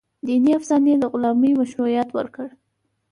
دیني افسانې د غلامۍ مشروعیت ورکړ.